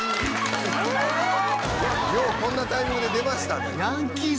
ようこんなタイミングで出ましたね。